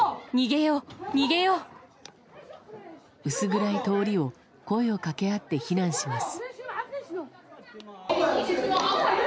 薄暗い通りを声を掛け合って避難します。